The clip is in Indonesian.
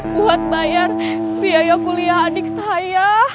buat bayar biaya kuliah adik saya